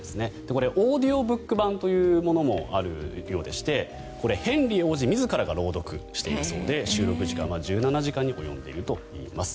これ、オーディオブック版というものもあるようでしてこれはヘンリー王子自らが朗読しているそうで収録時間は１７時間に及んでいるといいます。